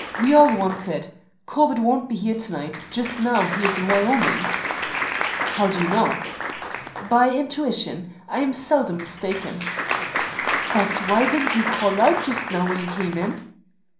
We all want it. Corbett won't be here to night. Just now he is in Wyoming." "How do you know?" "By intuition. I am seldom mistaken." "But why didn't you call out just now when you came in?"